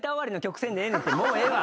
もうええわ。